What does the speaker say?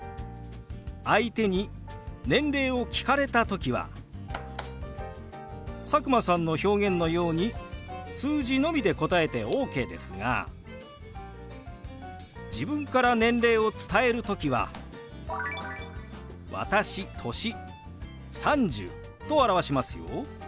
相手に年齢を聞かれた時は佐久間さんの表現のように数字のみで答えてＯＫですが自分から年齢を伝える時は「私歳３０」と表しますよ。